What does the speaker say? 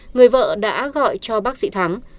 người vợ đã gọi cho bác sĩ thắng